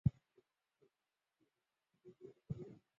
古培雷火山遗骸目前仍在火山北部。